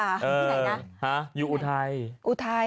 ไปไหนนะอยู่อุไทย